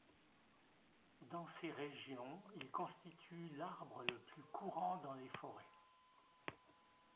Dans ces régions, il constitue l'arbre le plus courant dans les forêts.